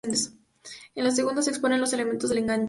En la segunda se exponen los elementos del enganche.